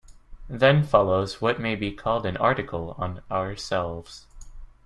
Then follows what may be called an article on "Ourselves".